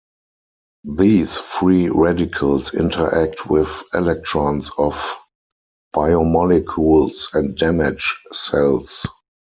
These free radicals interact with electrons of biomolecules and damage cells.